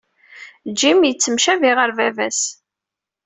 Jim yettemcabi ɣer baba-s.